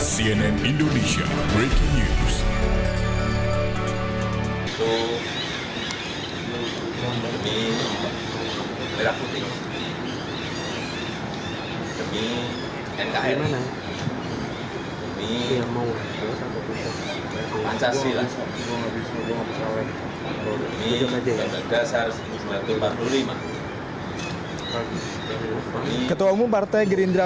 cnn indonesia breaking news